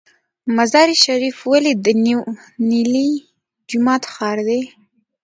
مزار شریف ولې د نیلي جومات ښار دی؟